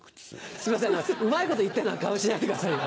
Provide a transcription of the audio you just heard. すいませんうまいこと言ったような顔しないでくださいよ。